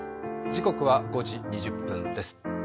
時刻は５時２０分です。